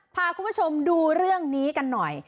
พาคุณผู้ชมดูเรื่องนี้กันหน่อย